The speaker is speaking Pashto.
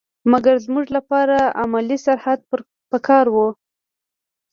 مګر زموږ لپاره علمي سرحد په کار وو.